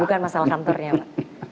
bukan masalah kantornya pak